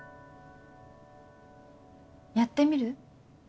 やってみる？